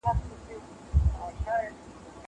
زه اوس مکتب ته ځم!!